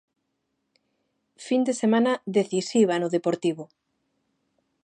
Fin de semana decisiva no Deportivo.